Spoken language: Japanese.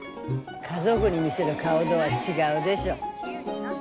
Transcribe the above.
家族に見せる顔とは違うでしょ。